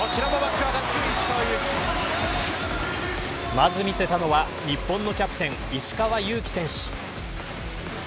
まず見せたのは日本のキャプテン石川祐希選手。